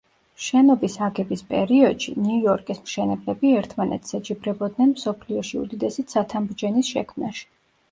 შენობის აგების პერიოდში ნიუ-იორკის მშენებლები ერთმანეთს ეჯიბრებოდნენ მსოფლიოში უდიდესი ცათამბჯენის შექმნაში.